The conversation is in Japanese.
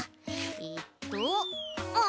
えっとああ